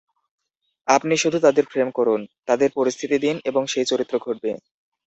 আপনি শুধু তাদের ফ্রেম করুন, তাদের পরিস্থিতি দিন, এবং সেই চরিত্র ঘটবে.